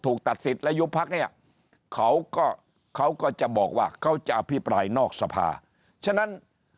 ตัดสิทธิ์และยุบพักเนี่ยเขาก็เขาก็จะบอกว่าเขาจะอภิปรายนอกสภาฉะนั้น